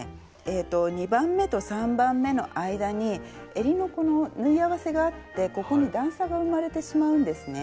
２番目と３番目の間にえりのこの縫い合わせがあってここに段差が生まれてしまうんですね。